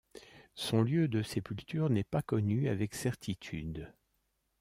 Son lieu de sépulture n'est pas connu avec certitude.